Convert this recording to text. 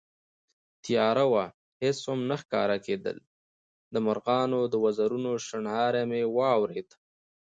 تياره وه، هېڅ هم نه ښکارېدل، د مرغانو د وزرونو شڼهاری مې واورېد